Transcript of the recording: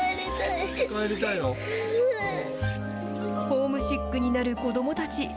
ホームシックになる子どもたち。